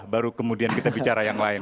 baru kemudian kita bicara yang lain